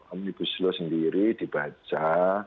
amri busloh sendiri dibaca